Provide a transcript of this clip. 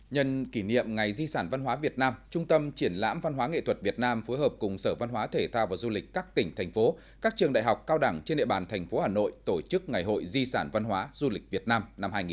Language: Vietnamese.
nhân kỷ niệm ngày di sản văn hóa việt nam trung tâm triển lãm văn hóa nghệ thuật việt nam phối hợp cùng sở văn hóa thể thao và du lịch các tỉnh thành phố các trường đại học cao đẳng trên địa bàn thành phố hà nội tổ chức ngày hội di sản văn hóa du lịch việt nam năm hai nghìn một mươi chín